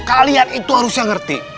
kalian itu harusnya ngerti